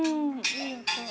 いい音。